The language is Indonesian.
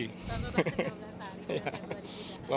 satu tahun dua belas hari